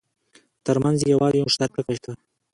ترمنځ یې یوازې یو مشترک ټکی شته.